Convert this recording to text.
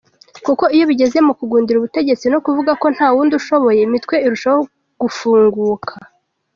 Kuko iyo bigeze mukugundira ubutegetse no kuvuga ko nta wundi ushoboye, imitwe irushaho gufunguka!